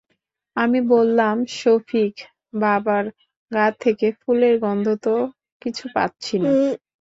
আমি বললাম, সফিক, বাবার গা থেকে ফুলের গন্ধ তো কিছু পাচ্ছি না।